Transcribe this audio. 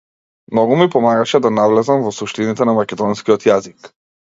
Многу ми помагаше да навлезам во суштините на македонскиот јазик.